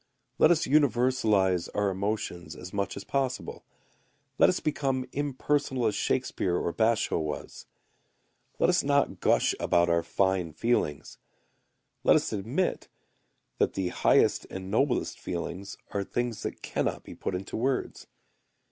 Let us universalize our emotions as much as possible, let us become impersonal as Shakespeare or Basho[u] was. Let us not gush about our fine feelings. Let us admit that the highest and noblest feelings are things that cannot be put into words.